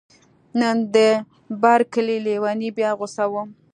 نن د بر کلي لیونی بیا غوسه و